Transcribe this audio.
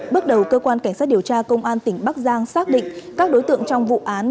bước đầu cơ quan cảnh sát điều tra công an tỉnh bắc giang xác định các đối tượng trong vụ án